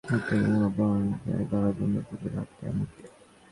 একটা কুকুর অপহরণকারীকে ধরার জন্য এতদূর হাঁটালে আমাকে?